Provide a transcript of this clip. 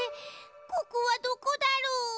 ここはどこだろう？